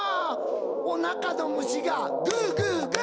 おなかの虫がグーグーグー！